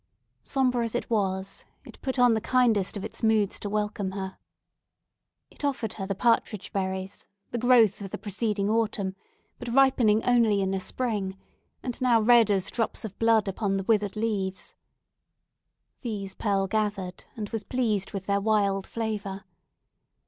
Sombre as it was, it put on the kindest of its moods to welcome her. It offered her the partridge berries, the growth of the preceding autumn, but ripening only in the spring, and now red as drops of blood upon the withered leaves. These Pearl gathered, and was pleased with their wild flavour.